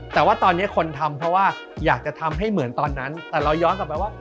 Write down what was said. แต่ว่าตอนนี้คนทำเพราะว่าอยากจะทำให้เหมือนตอนนั้นแต่เราย้อนกลับไปว่า